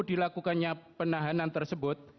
melakukannya penahanan tersebut